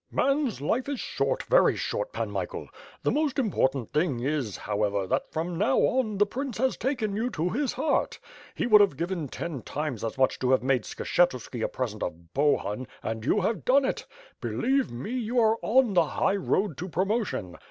Man's life is short, very short, Pan Michael. The most important thing is, however, that from now on the prince has taken you to his heart. He would have given ten times as much to have made Skshetuski a present of Bohun; and you have done it. Believe me, you are on the high road to promotion.